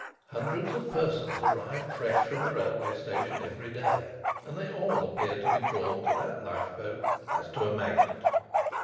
Hundreds of persons arrived fresh from the railway station every day, and they all appeared to be drawn to that lifeboat as to a magnet.